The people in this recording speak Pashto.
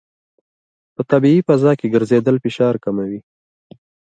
په طبیعي فضا کې ګرځېدل فشار کموي.